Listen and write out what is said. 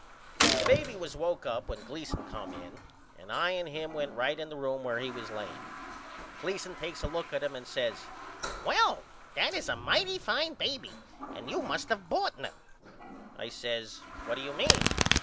The baby was woke up when Gleason come in and I and him went right in the room where he was laying. Gleason takes a look at him and says Well that is a mighty fine baby and you must of boughten him. I says What do you mean?